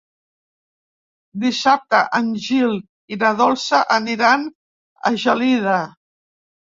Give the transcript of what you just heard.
Dissabte en Gil i na Dolça aniran a Gelida.